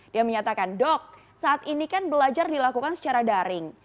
dia menyatakan dok saat ini kan belajar dilakukan secara daring